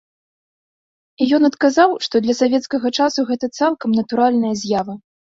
І ён адказаў, што для савецкага часу гэта цалкам натуральная з'ява.